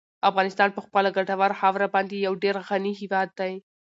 افغانستان په خپله ګټوره خاوره باندې یو ډېر غني هېواد دی.